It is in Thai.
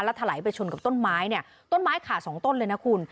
ถลายไปชนกับต้นไม้เนี่ยต้นไม้ขาดสองต้นเลยนะคุณ